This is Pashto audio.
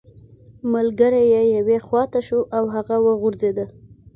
ملګری یې یوې خوا ته شو او هغه وغورځیده